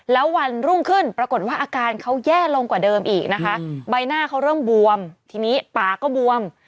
แล้ววันรุ่งขึ้นปรากฏว่าอาการเขาแย่ลงกว่าเดิมอีกนะคะใบหน้าเขาเริ่มบวมทีนี้ปากก็บวม